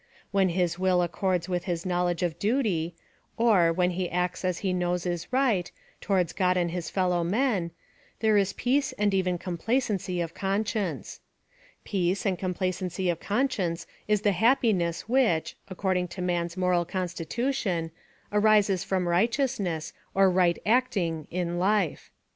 When his will accords with his knowledge of duty ; or, waen he acts as he knows is right, towards God and his fellow men. there is peace and even complacency PLAN OF SALVATION. 113 of conscience. Peace and complacency of conscience is the happiness which, according to man's moral constitution, arises from righteousness, or right act mg, in life.